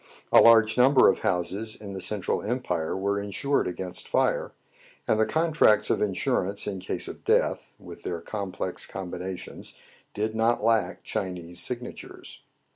A large number of houses in the Central Empire were insured against fire ; and the contracts of insurance in case of death, with their complex combinations, did not lack Chinese signatures.